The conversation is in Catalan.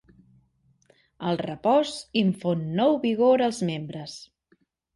El repòs infon nou vigor als membres.